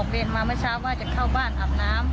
เวรมาเมื่อเช้าว่าจะเข้าบ้านอาบน้ำ